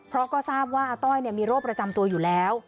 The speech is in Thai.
เพราะก็ทราบว่าอาต้อยมีโรคประจำตัวอยู่แล้ว